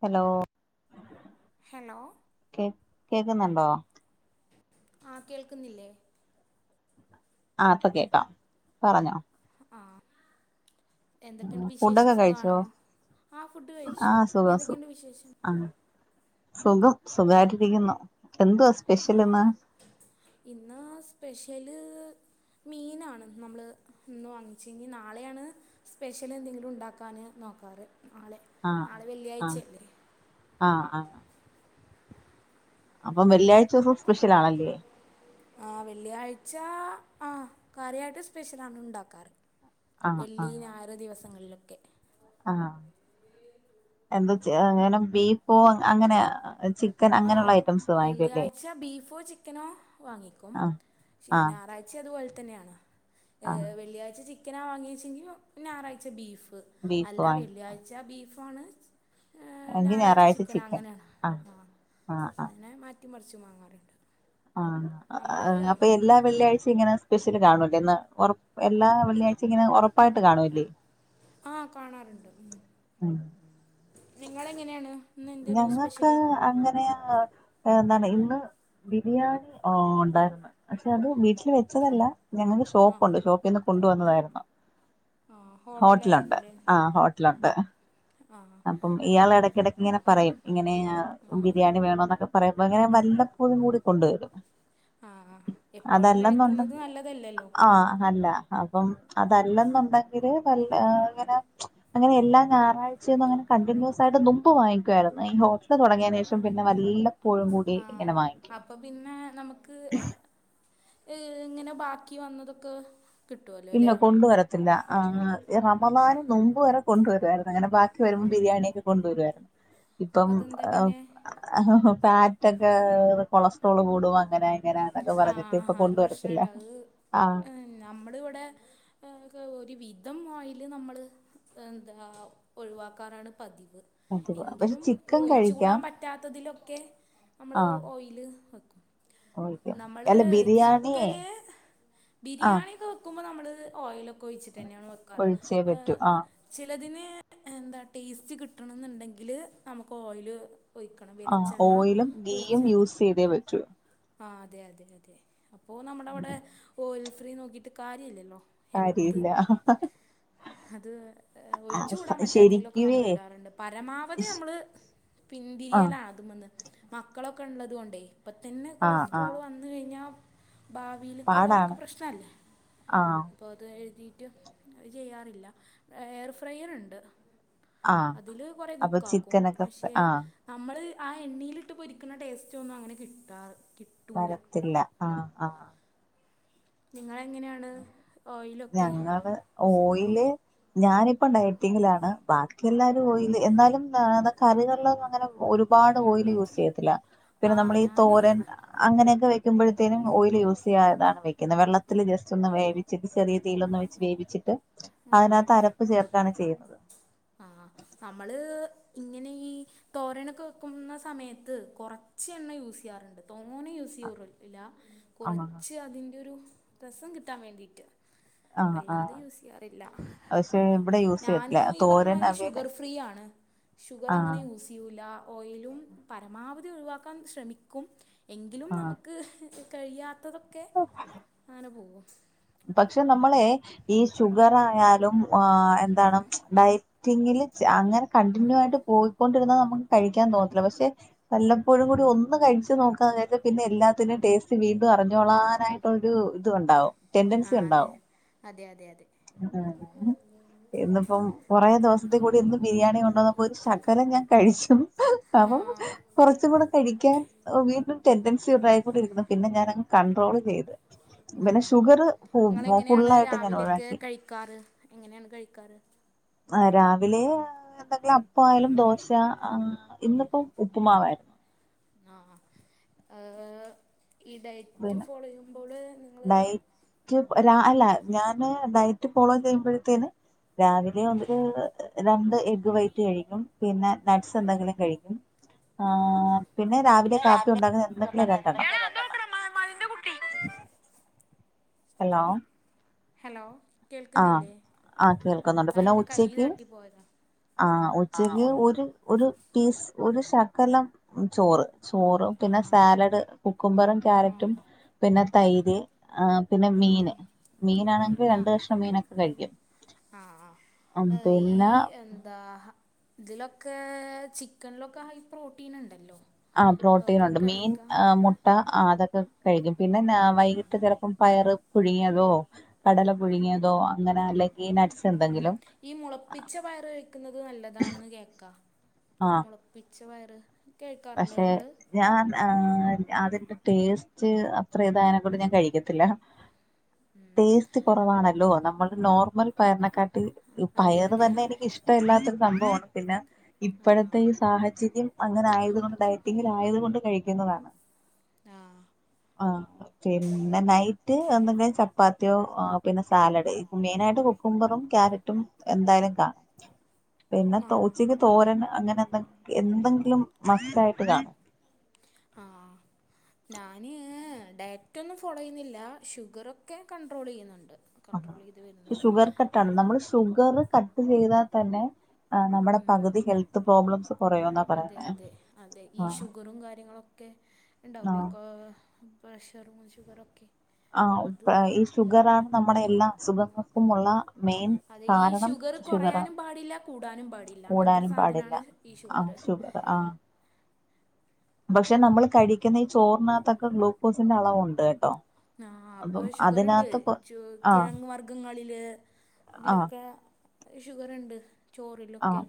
Hello hello കേ കേക്ക്ന്നോണ്ടോ? ആഹ് കേൾക്കുന്നില്ലേ ആഹ് ഇപ്പകേക്കാം പറഞ്ഞോ ആഹ് എന്തൊക്കെയൊണ്ട് വിശേഷം ഫുഡൊക്കെ കഴിച്ചോ സുഖവാണോ? ആഹ് ഫുഡ് ആ കയിച്ചു സുഖം സു എന്തൊക്കെയൊണ്ട് വിശേഷം ആ സുഖം സുഖായിട്ടിരിക്കുന്നു എന്ത്യോ ആഹ് ഇന്ന് സ്പെഷ്യല് മീനാണ് നമ്മ്ള് ഇന്ന് വാങ്ങിച്ച് ഇനി നാളെയാണ് സ്പെഷ്യല് എന്തെങ്കിലും ഉണ്ടാക്കാന് നോക്കാറ് നാളെ ആഹ് നാളെ ആഹ് വെള്ളിയാഴ്ചയല്ലേ ആഹ് ആഹ് അപ്പം വെള്ളിയാഴ്ചസം സ്പെഷ്യലാണല്ലേ? ആഹ് വെള്ളിയാഴ്ച ആഹ് കാര്യയായിട്ട് സ്പെഷ്യലാണ് ഉണ്ടാക്കാറ് ആ വെള്ളി ഞായറ് ദിവസങ്ങളിലൊക്കെ ആഹ് എന്തൊച്ച് അങ്ങനെ ബീഫോ അങ് അങ്ങനെ ചി ആഹ് വെള്ളിയാഴ്ച ബീഫോ ചിക്കനോ വാങ്ങിക്കും ആ ശേ ആ ഞായറാഴ് ച്ചതുപോൽ തന്നേണ് ആ ഏവെള്ളിയാഴ്ച ചിക്കനാ വാങ്ങിച്ചെങ്കിൽ ഞായറാഴ്ച്ച ബീഫ്. ബീഫ് അല്ല വാങ്ങിക്കും വെള്ളിയാഴ്ച ബീഫാണ് ഏഹ് എങ്കിൽ ഞായറാഴ്ച ചിക്കന ചിക്കൻ അങ്ങനാണ്. ആ ആ ആ അങ്ങിനെ മാറ്റിമറിച്ച് വാങ്ങാറുണ്ട്. ആഹ് നമ്മൾ അഅ അപ്പൊ എല്ലാ വെള്ളിയാഴ്ച്ചിങ്ങനെ സ്പെഷ്യല് കാണുല്ലേ ഇന്ന് ഒറ് എല്ലാ വെള്ളിയാ ച്ചിങ്ങനെ ഒറപ്പായിട്ട് കാണൂല്ലേ? ആ നിങ്ങളെങ്ങനേണ്? ഞങ്ങക്ക് അങ്ങനെയ എന്താണ് ഇന്ന് ബിരിയാണി ഓണ്ടായിരുന്നു പക്ഷെ അത് വീട്ടിൽ വെച്ചതല്ല ഞങ്ങക്കിഷ് ആ ഷോപ്പുണ്ട് ഷോപ്പിന്ന് കൊണ്ടുവന്നതായിരുന്നു. ആ ഹോട്ടലായിരിക്കും ഹോട്ട്ലുണ്ട് അല്ലേ ആഹ് ഹോട്ട്ലുണ്ട്. ആ അപ്പം ഇയാൾ എടക്കിടക്ക്ങ്ങനെ പറയും ഇങ്ങനെയാ ആ ബിരിയാണി വേണോന്നൊക്കെ പറയുമ്പോ അങ്ങനെ വല്ലപ്പോഴും കൂടി കൊണ്ടുവരും. ആ എപ്പോഴും കഴിക്കുന്നത് അതല്ലന്നുണ്ടെങ്കി നല്ലതല്ലല്ലോ ആഹ് അല്ല. അപ്പം അതല്ലന്നുണ്ടെങ്കില് വല്ല് ങ്ങനെ അങ്ങനെ എല്ലാ ഞായറാഴ് ചന്ന് അങ്ങനെ കണ്ടിന്യൂസായിട്ട് നുമ്പ് വാങ്ങിക്കുവായിരുന്നു ഈ ഹോട്ടൽ തുടങ്ങിയതിനേഷം പിന്നെ വല്ല ആഹ് അപ്പൊ പിന്നെ നമുക്ക് അ ഇങ്ങനെ ബാക്കി വന്നതൊക്കെ കിട്ടുമല്ലോ ഇല്ല അല്ലേ കൊണ്ടുവരത്തില്ല ആഹ് റമദാന് നുമ്പ് വരെ കൊണ്ടുവരായിരുന്നു ഇങ്ങനെ ബാക്കി വരുമ്പോ ബിരിയാണിയൊക്കെ കൊണ്ടുവരുവായിരുന്നു. ഇപ്പം അതെന്താ പിന്നെ അ ഫാറ്റൊക്കെ അ കൊളസ്ട്രോള് കൂടും അങ്ങനെ ങ്ങനൊക്കെ ന്ന്പറഞ്ഞിട്ട് ആഹ് ഇപ്പൊ ആ ഒരു കൊണ്ടുവരത്തില്ല. പ്രശ്നണ്ട് അത് ആഹ് നമ്മളിവിടെ അ്ക് ഒരു വിധം ഓയില് നമ്മൾ എന്താ ഒഴിവാക്കാറാണ് പതിവ്. അത് പക്ഷെ എങ്കിലും ചിക്കൻ ഒഴിച്ചു കഴിക്കാം കൂടാൻ പറ്റ് പറ്റാത്തതിലൊക്കെ നമ്മൾ ആഹ് ഓയില് വെക്കും. ഒഴിക്കും നമ്മള് അല്ല ബിരിയാണിയെ ചിക്കന് ആഹ് ബിരിയാണിക്കെ ക്കുമ്പോ നമ്മൾ ഓയിലൊക്കെ ഒഴിച്ചിട്ടെന്നേണ് വെക്കാറ്. ഒഴിച്ചേ അ പറ്റൂ ആഹ് ചിലതിന് എന്താ ടേസ്റ്റ് കിട്ടണെന്നുണ്ടെങ്കില് നമുക്ക് ഓയില് ഒഴിക്കണം ആഹ് വെലിച്ചെണ്ണ ഓയിലും ഗീയും ഒഴിച്ചാൽ യൂസ് ചെയ്തേ പറ്റൂ ആഹ് അതെ അതെ അതെ അപ്പോ നമ്മുടെവിടെ ഓയിൽ ഫ്രീ നോക്കിയിട്ട് കാര്യല്ലല്ലോ. കാരീല്ല. അത് അ ഒഴിച്ചു കൂടാൻ പറ്റാത്തതിലൊക്കെ ശരിക്കുവേ നമ്മൾ ഇടാറുണ്ട്. പരമാവധി നമ്മള് ആഹ് പിന്തിരിയലാണ് മന്ന് മക്കളൊക്കെ ഉള്ളത് കൊണ്ടേ ഇപ്പ തന്നെ ആഹ് കൊളസ് ആഹ് വന്നു കഴിഞ്ഞാ ഭാവീല്ക്ക് അവർക്ക് പാടാണ് പ്രശ്നല്ലെ. ആഹ് പൊതുവേ എഴുതിട്ട് അത് ചെയ്യാറില്ല ഏഹ്എയർ ഫ്രയർ ഇണ്ട്. ആഹ് അതില് കൊറെ അപ്പൊ കുക്കാക്കും ചിക്കനൊക്കെ പക്ഷെ ആഹ് നമ്മൾ ആ എണ്ണിലിട്ട് പൊരിക്കുന്ന ടേസ്റ്റ് ഒന്നും അങ്ങനെ കിട്ടാ കി വരത്തില്ല ആഹ് ആഹ്. നിങ്ങളെങ്ങനെയാണ് ഓയിലൊക്കെ ഞങ്ങള് യൂസ് ഓയില് ഞാനിപ്പം ഡയറ്റിങ്ങിലാണ് ബാക്കി എല്ലാരും ഓയില് എന്നാലും ന്നേ കറികളിലങ്ങനെ ഒരുപാട് ഓയില് യൂസ് ചെയ്യത്തില്ല. പിന്നെ ആ നമ്മളീ ഞാൻ തോരൻ അങ്ങനെയൊക്കെ വെക്കുമ്പോഴത്തേനും ഓയിൽ യൂസ് ചെയ്യാതാണ് വെക്കുന്നെ വെള്ളത്തിൽ ജസ്റ്റൊന്ന് വേവിച്ചത് സെറി തീയിലൊന്ന് വെച്ച് വേവിച്ചിട്ട് ആ അതിനാത്ത് അരപ്പ് ചേർക്കാണ് ചെയ്യുന്നത്. ആഹ് നമ്മള് ഇങ്ങനെ ഈ തോരനൊക്കെ വെക്കുന്ന സമയത്ത് കുറച്ച് എണ്ണ യൂസ്യ്യാറുണ്ട് തോനെ യൂസെയ്യോറു ഇല്ല ആഹ് കുറച്ച് അതിന്റെ ഒരു രസം കിട്ടാൻ വേണ്ടിട്ട്. ആഹ് ആഹ് അല്ലാതെ യൂസ് ചെയ്യാ റില്ല. പക്ഷെ ഇവിടെ യൂസ് ചെയ്യത്തില്ല ഞാനും, ഈ, പറണ തോരൻ പോലെ അവിയല് ഷുഗർ ഫ്രീ യാണ്. ഷുഗറ ങ്ങനെ ആഹ് യൂ ഉസിയൂല ഓയിലും പരമാവധി ഒഴിവാക്കാൻ ശ്രമിക്കും. എങ്കിലും ആഹ് നമുക്ക് കഴിയാത്തതൊക്കെ അങ്ങനെ പോവും. പക്ഷെ, നമ്മളെ ഈ ഷുഗറായാലും ആഹ്, എന്താണ് ഡയ റ്റിങ്കില് ച് അങ്ങനെ, കണ്ടിന്യൂ ആയിട്ട് പോയിക്കൊണ്ടിരുന്ന നമുക്ക് കഴിക്കാൻ തോന്നത്തില്ല. പക്ഷെ വല്ലപ്പോഴും കൂടി ഒന്ന് കഴിച്ചു നോക്കാൻ നേരത്ത്, പിന്നെ എല്ലാത്തിന്റെയും ടേസ്റ്റ് വീണ്ടും അറിഞ്ഞോളാനായി. ഒരു ഇത്ണ്ടാവും ആ ടെന്റൻസി അതെ ഉണ്ടാവും അതെ അതെ അതെ അഹ് ഉം. ഇന്നിപ്പം കൊറേ ദിവസത്തെ കൂടി ഇന്ന് ബിരിയാണി കൊണ്ടുവന്നപ്പോ ഒരു ശകലം ഞാൻ കഴിച്ചും ആഹ് കൊറച്ചുംകൂടെ കഴിക്കാൻ അഹ് വീണ്ടും ടെൻഡൻസി ഉണ്ടായിക്കൊണ്ടിരിക്കുന്നു പിന്നെ ഞാനങ്ങ് കണ്ട്രോൾ ചെയ്ത് പിന്നെ ആഹ് ഷുഗർ ഇങ്ങളെങ്ങനെയാണ് ഫുള്ളായിട്ട് ഞാൻ രാവിലക്കെ ഒഴിവാക്കി കഴി ക്കാറ് എങ്ങനേണ് കഴിക്കാറ് ആഹ് രാവിലേ എന്തെങ്കിലും അപ്പവായാലും ദോശ അഹ് ഇന്നിപ്പം ഉപ്പുമാവായിരുന്നു ആഹ് ഏഹ് ഈ ഡയറ്റ് പിന്നെ ഫോളോ ചെയ്യുമ്പോള് നിങ്ങള് ക്കും രാ അല്ല ഞാന് ഡയറ്റ് ഫോളോ ചെയ്യുമ്പഴത്തേന് രാവിലെ ഒന്നൊരു രണ്ട് എഗ്ഗ് വൈറ്റ് കഴിക്കും പിന്നെ നട്ട്സ് എന്തെങ്കിലും കഴിക്കും ആഹ് പിന്നെ രാവിലെ കാപ്പി ഒണ്ടാക്കുന്ന എന്തെങ്കിലും രണ്ടെണ്ണം [unintelligible] [unintelligible] ഹലോ ഹലോ ആഹ് കേൾക്കുന്നില്ലേ കേൾക്കുന്നുണ്ട് ആഹ് പിന്നെ അതെന്റെ കയ്യി ഉച്ചക്ക് തട്ടി പോയതാ ആഹ് ആഹ് ഉച്ചക്ക് ഒ ഒരു ഒരു പീസ് ഒരു ശഖലം ചോറ് ചോറും പിന്നെ ആഹ് സാലഡ് കുക്കുംമ്പറും ക്യാരറ്റും ആഹ് പിന്നെ തൈര് ആഹ് പിന്നെ ഉം മീന് മീനാണെങ്കി ഞാ രണ്ട് കഷ് ആഹ് ഉം അഹ് ഈ പിന്നെ എന്താ ഇതിലൊക്കേ ചിക്കൻലൊക്കെ ഹൈ പ്രോട്ടീനെണ്ടല്ലോ ആഹ് പ്രോട്ടീനൊണ്ട് മീൻ അഹ് മുട്ട അഹ് അതൊക്കെ കഴിക്കും പിന്നെന്നാ വൈകിട്ട് കിട പ്പം പയറ് പുഴുങ്ങിയതോ കടല പുഴുങ്ങിയതോ അങ്ങനെ അല്ലെങ്കി നട്സ് ഉം, ഈ മുളപ്പിച്ച പയറ് കഴിക്ക്ന്നത് നല്ലതാന്ന് കേക്കാ, ആഹ് മുള പിച്ച വയറ് കേൾക്കാറുണ്ടോ പക്ഷെ നിങ്ങള് ഞാൻ ആഹ് അതിന്റെ ടേസ്റ്റ് അത്ര ഇതായനെക്കൊണ്ട് ഞാൻ കഴിക്കത്തില്ല ഉം ടേസ്റ്റ് കൊറവാണല്ലോ നമ്മള് നോർമൽ പയറിനെക്കാട്ടി അതെ പയർ അതെ തന്നെ എനിക്ക് ഇഷ്ടമല്ലാത്തൊരു സംഭവമാണ് പിന്നെ ആഹ് ഇപ്പഴത്തെ ഈ സാഹചര്യം അങ്ങനെ ആയതുകൊണ്ട് ഡയറ്റിങ്ങിൽ ആയത്കൊണ്ട് കഴിക്കുന്നതാ ആഹ് അഹ് പിന്നെ നൈറ്റ് എന്തെങ്കിലും ചപ്പാത്തിയോ അഹ് പിന്നെ സാലഡ് മെയിനായിട്ട് കുക്കുംമ്പറും ക്യാര ട്ടും എന്തായാലും കാണും പിന്നെ തോ ആഹ് ഉച്ചക്ക് തോരന് അങ്ങനെ എന്തെ എന്തെങ്കിലും മസ്റ്റായിട്ട് കാണും ആഹ്. ഞാന് ഡയറ്റൊന്നും ഫോളോ ചെയ്യുന്നില്ല, ഷുഗറൊക്കെ കണ്ടട്രോൾയ്യുന്നുണ്ട്. കൺട്രോൾ ചെയ്ത് വരുന്നുണ്ട് കാരണം ഷുഗറ് കട്ട് ചെയ്താൽ തന്നെ ആഹ്, നമ്മുടെ ഉം പകുതി ഹെൽത്ത് പ്രോബ്ലംസ് കുറയൂന്നാ അതെ പറയുന്നെ അതെ അതെ ആഹ്. ഇണ്ടാവുലേ ക്ക്‌ പ്രഷറും ശുഗറൊക്കെ ആഹ് ഉപ്പ് ഈ ഷുഗറാണ് നമ്മുടെ എല്ലാ അസുഖ ർക്കുമുള്ള മെയിൻ അതെ ഈ കാരണം ഷുഗർ ഷുഗറാ. കുറയാനും പാടില്ല കൂടാനും പാടില്ല അങ്ങനത്തെ ഒരു കൂടാനും പാടില്ല. സാധനമാണ് ഈ ആ ഷുഗർ ഷുഗറ് ആ പക്ഷെ നമ്മള് കഴിക്കുന്ന ഈ ചോറിനകത്തൊക്കെ ഗ്ലൂക്കോസിന്റെ അളവുണ്ട് കേട്ടോ. ആ അപ്പൊ അപ്പം ഷുഗറ്ണ്ട് അതിനകത്ത് കൊ ചു ആഹ് കിഴങ് വർഗ്ഗങ്ങളില്. ആഹ് ഇതിലൊക്കെ ഷുഗറ്ണ്ട് ചോറിലൊക്കെ ആഹ്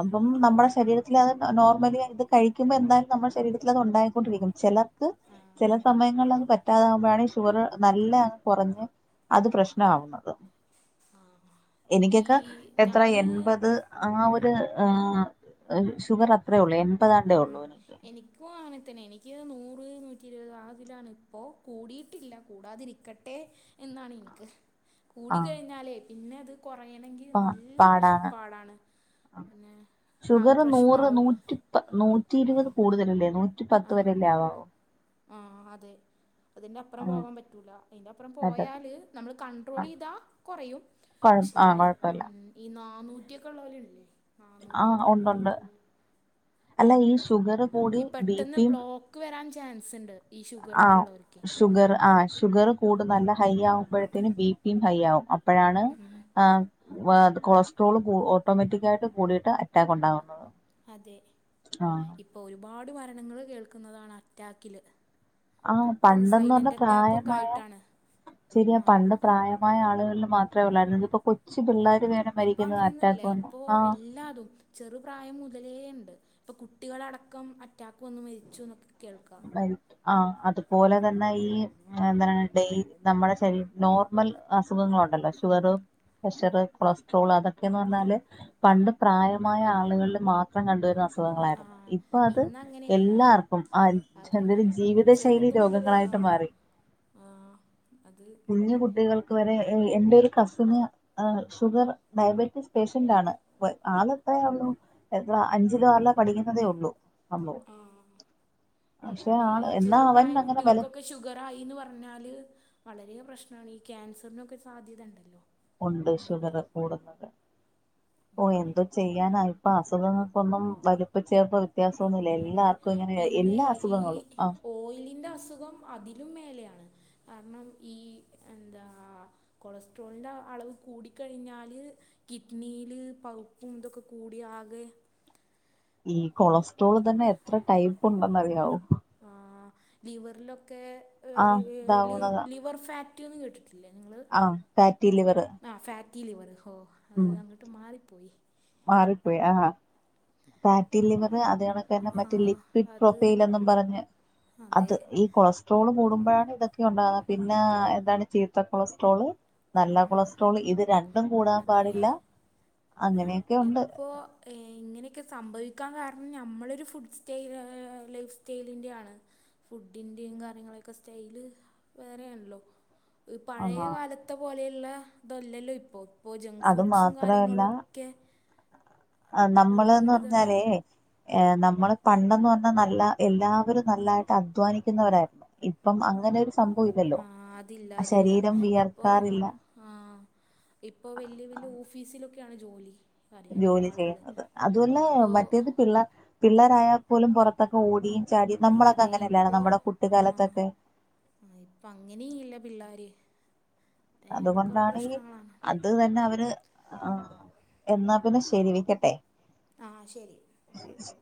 അപ്പം നമ്മുടെ ശരീരത്തിലത് നോർമലി അത് കഴിക്കുമ്പോ എന്തായ്ലും നംളെ ശരീരത്തില് അതൊണ്ടായ്ക്കൊണ്ടിരിക്കും ചെലർക്ക് ആ ചെല സമയങ്ങളിലൊന്നും പറ്റാതാവുമ്പഴാണ് ഈ ഷുഗറ് നല്ലോ അങ്ങ് കൊറഞ്ഞ് ആ അത് പ്രശ്നാവുന്നത് ആ ഈ എനിക്കക്ക എത്ര ഞാന് എൺപത് ആഹ് ഒര് ആഹ് ഷുഗറ് അത്രേ ഒള്ള് എൺപതാണ്ടേ ഒള്ളൂ ആഹ് എനിക്കും അങ്ങനെ തന്നെ എനിക്ക് നൂറ് നൂറ്റി ഇരുപത് ആതിലാണിപ്പോ കൂടീട്ടില്ല കൂടാതിരി ക്കട്ടെ എന്നാണ് ഇൻക്ക് ആഹ് കൂടിക്കഴിഞ്ഞാലേ പിന്നെത് കൊറയണെങ്കി നല്ല പ്രശ് പാടാണ് പിന്നെ ആകെ ഷുഗറ് നൂറ് പ്രശ്നമാവും നൂറ്റി പ നൂറ്റി ഇരുപത് കൂടുതലല്ലേ നൂറ്റി പത്ത് ആഹ് വരല്ലേ ആവാവു. ആഹ് അതെ അതിന്റെ അപ്പറം പോകാൻ പറ്റൂല അയ്ന്റപ്പറം അതെ പോയാൽ നമ്മള് ആഹ് കൺട്രോളിയ്താ കൊറയും കൊഴ ഷേ ആഹ് കൊഴപ്പല്ല ഉം ഈ നാന്നൂറ്റ്യൊക്കെള്ളോലില്ലേ നാന്നൂറ്റി ആഹ് ഉണ്ടുണ്ട് അഞ്ഞൂറ്റിയൊക്കെള്ളെ അല്ല ഈ ഷുഗറ് ഈ പെട്ടെന്ന് ബ്ലോക്ക് വരാൻ ചാൻസ് ഇണ്ട് ഈ ഷുഗറൊക്കെ ഇള്ളോൽക്കെ ഷുഗറ് ആഹ് ഷുഗറ് കൂടുന്നല്ല ഹൈയ്യാവ്മ്പഴ്ത്തേനും ബി പിം ഹൈയ്യാവും അപ് പഴാണ് ആഹ് വേ കൊളസ്ട്രോള് കൂ ഓട്ടോമാറ്റിക്കായിട്ട് കൂടീട്ട് അറ്റാക്കൊണ്ടാവുന്നത്. അതെ ഇപ്പൊ ഒരുപാട് മരണങ്ങള് കേൾക്കുന്നതാണ് അറ്റാക്കില് ആഹ് പണ്ടെന്ന്വർഞ്ഞാ പ്രായമായ ആയിട്ടാണ് ശരിയാ ആ പണ്ട് പ്രായ മായ ആളുകൾല് മാത്രേ ഒള്ളാര്ന്നു. ഇതിപ്പൊ കൊച്ച് പിള്ളേര് വെ ഇപ്പഅങ്ങനെയൊന്നുല്ല ഇപ്പോ എല്ലാതും ചെറുപ്രായം മുതലേ ഇണ്ട് ഇപ്പൊ കുട്ടികളടക്കം അറ്റാക്ക് വന്ന് മരിച്ചുന്നൊക്കെ കേൾക്കാ ആഹ് അതുപോല തന്നെ ഈ എന്താണ് ഡെയ് നമ്മുടെ ശരീര് നോർമൽ അസുഖങ്ങളൊണ്ടല്ലോ ഷുഗറ് പ്രഷറ്, കൊളസ്ട്രോള് അതൊക്കെന്ന് പർഞ്ഞാല് പണ്ട് പ്രായമായ ആളുകൾല് മാത്രം കണ്ടുവരുന്ന അസു ആ ഖങ്ങളാര്ന്നു ഇപ്പൊ അത് ഇന്നങ്ങനെയല്ല എല്ലാർക്കും ആഹ് അതെ അതൊരു ജീവിത ശൈലി ചെറുത് മുതൽ രോഗങ്ങളായിട്ട് മാറി ആ ആ അത് കുഞ്ഞു കുട്ടികൾക്ക് വരെ എ എന്റെ ഒരു കസിന് ഏഹ് ഷുഗർ ഡയബറ്റീസ് പേഷ്യന്റാണ് വെ ആള് എത്രേ ഒള്ളൂ എത്ര അഞ്ചിലോ ആറിലോ പഠിക്കുന്നതേയൊള്ളൂ അമ്മു ഉം അതാണ് ഈ എന്നാ ചെറു അവൻ പ്രായം അങ്ങനെ ബലം കുട്ടികൾക്കൊക്കെ ഷു ഗറായീന്ന് പർഞ്ഞാല് വളരെ പ്രശ്നാണ് ഈ ക്യാൻസർനൊക്കെ സാധ്യതണ്ടല്ലോ ഒണ്ട് ഷുഗറ് കൂടുന്നൊണ്ട് ഓഹ് എന്തോ ചെയ്യാന ഇപ്പ അസുഖങ്ങക്കൊന്നും വലിപ്പ ചെറ്പ്പ അതെ പിന്നെ ഈ അസുഖങ്ങളും ആ ഓയിലിന്റെ അസുഖം അതിലും മേലെയാണ് കാര്ണം ഈ എന്താ കൊളസ്ട്രോൾന്റാ അളവ് കൂടിക്കഴിഞ്ഞാല് കിഡ്ണീല് പൗപ്പും ഇതൊക്കെ കൂടി ആകെ ഈ കൊളസ്ട്രോളും തന്നെ എത്ര ടൈപ്പൊണ്ടെന്നറിയാവോ? ആഹ് ലിവർലൊക്കെ ആ ഏറിയാല് ഇതാവുന്നതാ ലിവർ ഫാ റ്റ് ന്ന് കേട്ട്ട്ടില്ലേ നിങ്ങള് ആഹ് ഫാറ്റി ലിവറ് ആഹ് ഫാറ്റി ലിവറ് ഹോ അത് അങ്ങട്ട് മാറിപ്പോയി മാറിപ്പോയി ആഹ് ഫാറ്റീ ലിവറ് അതെ കണ ആ മറ്റെ ലിക്വിഡ് അത് പ്രൊഫൈലെന്നും പറഞ്ഞ് അതെ അത് ഈ കൊളസ്ട്രോള് കൂടുമ്പഴാണ് ഇതൊക്കെ ഒണ്ടാന്ന പിന്നെ എന്താണ് ചീത്ത കൊളസ്ട്രോള്. നല്ല കൊളസ്ട്രോള് ഇത് രണ്ടും കൂടാൻ പാടില്ല. അങ്ങനെ ഇപ്പോ. ഇങ്ങനെയൊക്കെ സംഭവിക്കാൻ കാരണം ഞമ്മളൊരു ഫുഡ് സ്റ്റൈൽ ഏഹ് ലൈഫ് സ്റ്റൈലിന്റെ ആണ്. ഫുഡിന്റെയും കാര്യങ്ങളൊക്കെ സ്റ്റൈല് വേറെ ആണല്ലോ. ആ പഴയ കാലത്തെ പോലെയുള്ള ഇതല്ലല്ലോ ഇപ്പോ ഇപ്പോ ജങ്ക് അത് ഫുഡ്സും കാര്യങ്ങളും ക്കെ ആഹ് നമ്മള്ന്ന് പറഞ്ഞാലേ. ഏഹ് നമ്മള് പണ്ടന്ന് പറഞ്ഞാൽ നല്ല എല്ലാവരും നല്ലായിട്ട് അധ്വാനിക്കുന്നവരായിരുന്നു. ഇപ്പം അങ്ങനെ ഒരു സംഭവം ഇല്ലല്ലോ. ആ ആഹ് ശരീരം വിയർക്കാറില്ല. ആഹ് ഇപ്പോ വല്ല്യ വല്ല്യ ഓഫീസിലൊക്കെയാണ് ജോലി. കാര്യമായിട്ട് ജോലി ആളുകൾ ചെയ്യുന്നത് അതും അല്ല ഇപ്പോൾ മറ്റേത് പിള്ളേ. പിള്ളരായൽ പോലും പുറത്തൊക്കെ ഓടിയും ചാടിയും നമ്മളൊക്കെ അതെ അങ്ങനെയല്ലാർയന്നോ നമ്മുടെ കുട്ടി കാലത്തൊക്കെ. ആഹ് ഇപ്പ അങ്ങനെയില്ല പിള്ളാര്. അതുകൊണ്ടാണീ അ അത് തന്നെ അവര് ആഹ് എന്നാ പിന്നെ ശരി വെക്കട്ടെ. ആഹ് ശരി. [inaudible]